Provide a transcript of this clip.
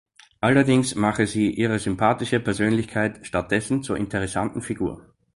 Allerdings mache sie ihre sympathische Persönlichkeit stattdessen zur interessanten Figur.